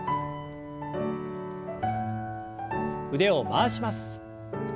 腕を回します。